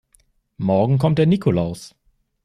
Morgen kommt der Nikolaus.